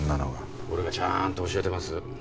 俺がちゃーんと教えてます。